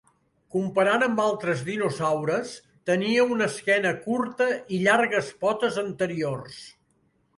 Comparant amb altres dinosaures tenia una esquena curta i llargues potes anteriors.